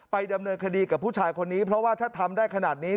ดำเนินคดีกับผู้ชายคนนี้เพราะว่าถ้าทำได้ขนาดนี้